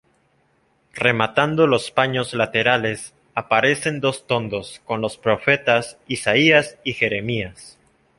Rematando los paños laterales aparecen dos tondos con los profetas Isaías y Jeremías.